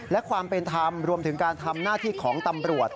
และความเป็นธรรมรวมถึงการทำหน้าที่ของตำรวจ